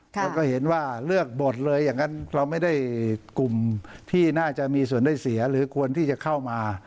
แล้วก็เห็นว่าเลือกบทเลยอย่างนั้นเราไม่ได้กลุ่มที่น่าจะมีส่วนได้เสียหรือควรที่จะเข้ามา